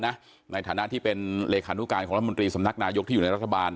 ในฐานะที่เป็นเลขานุการของรัฐมนตรีสำนักนายกที่อยู่ในรัฐบาล